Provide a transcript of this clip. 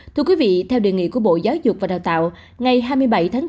thưa quý vị theo đề nghị của bộ giáo dục và đào tạo ngày hai mươi bảy tháng bốn